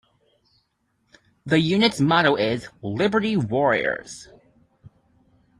The unit's motto is "Liberty Warriors".